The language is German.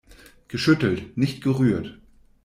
Geschüttelt, nicht gerührt!